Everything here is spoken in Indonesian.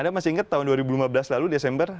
anda masih ingat tahun dua ribu lima belas lalu desember